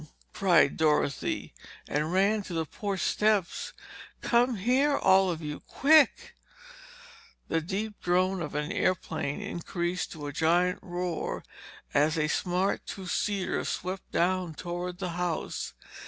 cried Dorothy and ran to the porch steps. "Come here—all of you—quick!" The deep drone of an airplane increased to a giant roar as a smart two seater swept down toward the house.